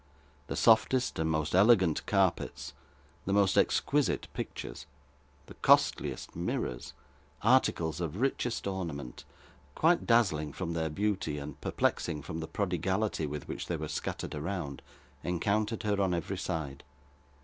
The softest and most elegant carpets, the most exquisite pictures, the costliest mirrors; articles of richest ornament, quite dazzling from their beauty and perplexing from the prodigality with which they were scattered around; encountered her on every side.